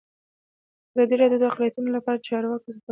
ازادي راډیو د اقلیتونه لپاره د چارواکو دریځ خپور کړی.